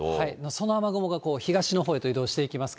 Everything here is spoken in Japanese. その雨雲が東のほうへと移動していきます